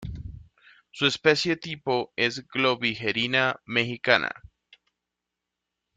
Su especie tipo es "Globigerina mexicana".